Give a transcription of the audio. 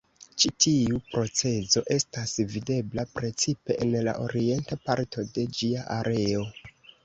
Ĉi tiu procezo estas videbla precipe en la orienta parto de ĝia areo.